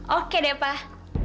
oke deh pak